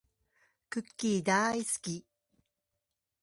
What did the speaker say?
クッキーだーいすき